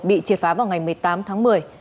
bị triệt phá vào ngày một mươi tám tháng một mươi